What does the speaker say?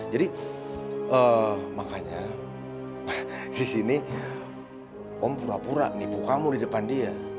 jadi makanya disini om pura pura nipu kamu di depan dia